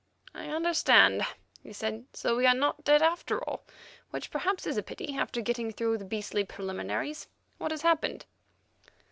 "I understand," he said. "So we are not dead, after all, which perhaps is a pity after getting through the beastly preliminaries. What has happened?"